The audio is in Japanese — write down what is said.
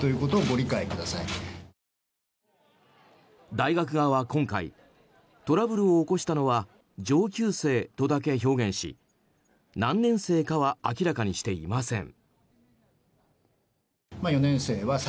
大学側は今回トラブルを起こしたのは上級生とだけ表現し、何年生かは明らかにしていません。